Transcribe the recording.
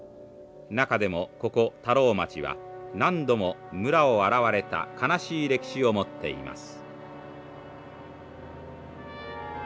中でもここ田老町は何度も村を洗われた悲しい歴史を持っています。